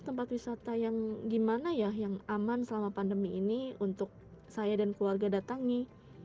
tempat wisata yang gimana ya yang aman selama pandemi ini untuk saya dan keluarga datangi